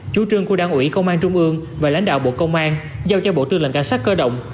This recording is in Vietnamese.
chủ trương của đảng ủy công an trung ương và lãnh đạo bộ công an giao cho bộ tư lệnh cảnh sát cơ động